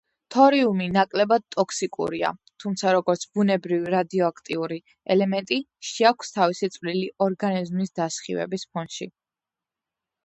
თორიუმი ნაკლებად ტოქსიკურია, თუმცა, როგორც ბუნებრივი რადიოაქტიური ელემენტი შეაქვს თავისი წვლილი ორგანიზმის დასხივების ფონში.